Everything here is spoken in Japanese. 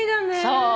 そう。